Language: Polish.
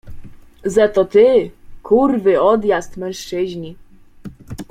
Za to ty — kurwy, odjazd, mężczyźni.